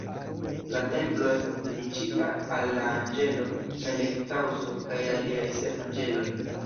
La templo estas dediĉita al la anĝelo Melek-Taŭso kaj aliaj sep anĝeloj.